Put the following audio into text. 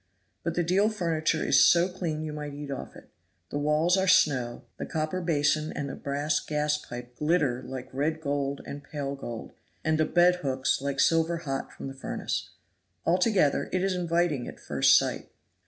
But the deal furniture is so clean you might eat off it. The walls are snow, the copper basin and the brass gaspipe glitter like red gold and pale gold, and the bed hooks like silver hot from the furnace. Altogether it is inviting at first sight.